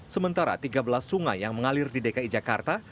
sementara tiga belas sungai yang mengalir di dki jakarta